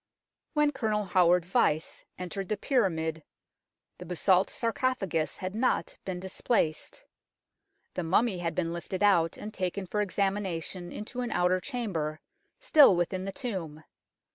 When Colonel Howard Vyse entered the pyra mid the basalt sarcophagus had not been displaced. The mummy had been lifted out, and taken for examination into an outer chamber, still within the tomb.